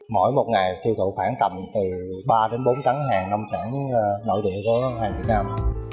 mỗi một ngày tiêu thụ khoảng tầm từ ba đến bốn tấn hàng nông sản nội địa của hàng việt nam